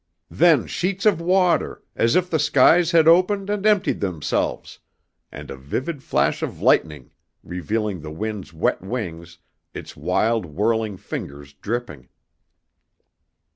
Then sheets of water, as if the skies had opened and emptied themselves, and a vivid flash of lightning revealing the wind's wet wings, its wild whirling fingers dripping.